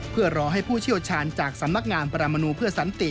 เพื่อรอให้ผู้เชี่ยวชาญจากสำนักงานประมนูเพื่อสันติ